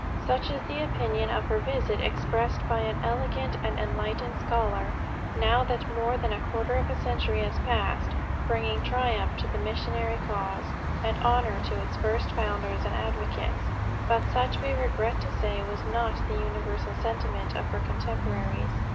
Such is the opinion of her visit expressed by an elegant and enlightened scholar, now that more than a quarter of a century has passed, bringing triumph to the missionary cause, and honor to its first founders and advocates; but such we regret to say was not the universal sentiment of her contemporaries.